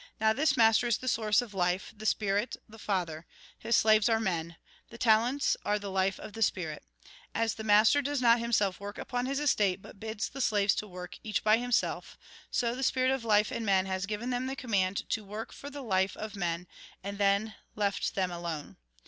" Now this master is the source of life, the spirit, the Father. His slaves are men. The talents are the life of the spirit. As the master does not him self work upon his estate, but bids the slaves to work, each by himself, so the spirit of life in men has given them the command to work for the life of men, and then left them alone.